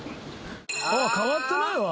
変わってないわ。